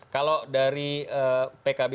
kalau dari pkb